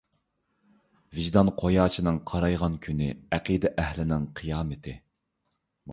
ۋىجدان قۇياشىنىڭ قارايغان كۈنى ئەقىدە ئەھلىنىڭ قىيامىتى.